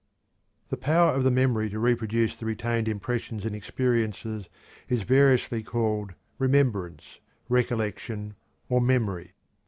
The power of the memory to reproduce the retained impressions and experiences is variously called remembrance, recollection, or memory.